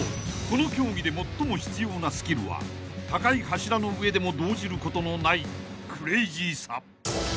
この競技で最も必要なスキルは高い柱の上でも動じることのないクレイジーさ］